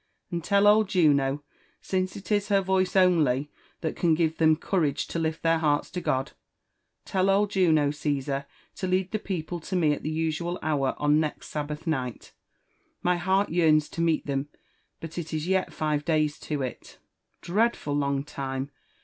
And tell old Juno, since it is her voice only that can give tliem JONATHAN jEftfERSON^WHITLAW. 2St I courage to lift their hearts to God— tell old Juno, Cesar, to lead the people to me at the usual hour on next Sabbath night. My heart yearns to meet them ; but it is yet five days to it." ''Dreadful long time